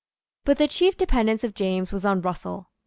But the chief dependence of James was on Russell.